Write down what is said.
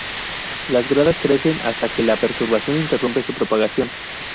Las gradas crecen hasta que la perturbación interrumpe su propagación.